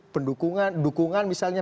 pendukungan dukungan misalnya